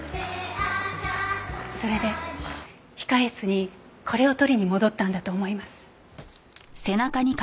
それで控室にこれを取りに戻ったんだと思います。